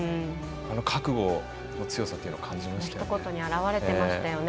覚悟の強さというのを感じましたよね。